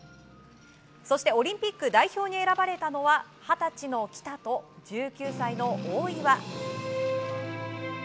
そしてオリンピック代表に選ばれたのは二十歳の喜田と１９歳の大岩。